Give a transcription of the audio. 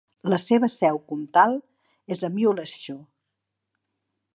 La seva seu comtal és Muleshoe.